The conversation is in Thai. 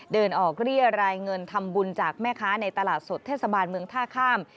เดินออกเรียรายเงินทำบุญจากแม่ค้าในตลาดสดเทศบาลเมืองท่าข้าม